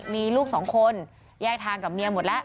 มีลูกสองคนแยกทางกับเมียหมดแล้ว